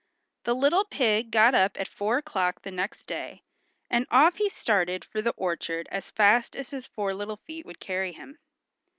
The little pig got up at four o'clock the next day, and off he started for the orchard as fast as his four little feet would carry him.